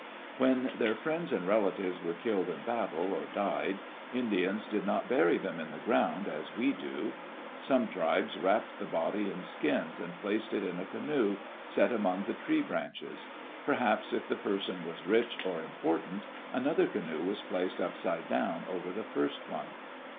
When their friends and relatives were killed in battle, or died, Indians did not bury them in the ground as we do. Some tribes wrapped the body in skins, and placed it in a canoe, set among tree branches; perhaps, if the person was rich or important, another canoe was placed upside down over the first one.